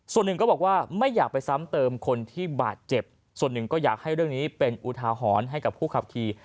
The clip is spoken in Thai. ส่วนหนึ่งก็บอกว่าไม่อยากไปซ้ำเติมคนที่บาดเจ็บส่วนหนึ่งก็อยากให้เรื่องนี้เป็นอุทาหรณ์ให้กับผู้ขับขี่